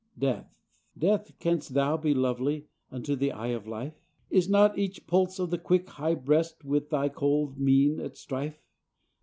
Death! Death! canst thou be lovely Unto the eye of life? Is not each pulse of the quick high breast With thy cold mien at strife?